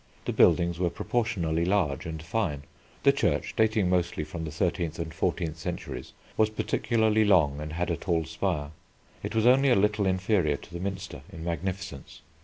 The buildings were proportionally large and fine. The church, dating mostly from the thirteenth and fourteenth centuries, was particularly long and had a tall spire. It was only a little inferior to the Minster in magnificence.